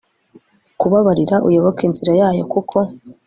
kubabarira, uyoboke inzira yayo, kuko